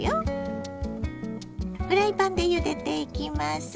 フライパンでゆでていきます。